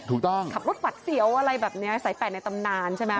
ถูกต้องขับรถหวัดเสียวอะไรแบบนี้สายแปดในตำนานใช่ไหม